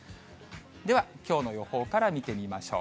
では、きょうの予報から見てみましょう。